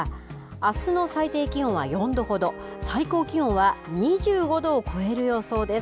あすの最低気温は４度ほど、最高気温は２５度を超える予想です。